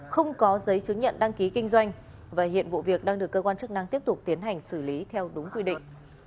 không có giấy chứng nhận đăng ký kinh doanh và hiện vụ việc đang được cơ quan chức năng tiếp tục tiến hành xử lý theo đúng quy định